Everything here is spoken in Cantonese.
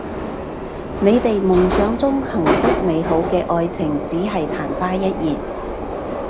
你哋夢想中幸福美好嘅愛情只係曇花一現